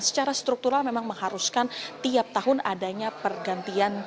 secara struktural memang mengharuskan tiap tahun adanya pergantian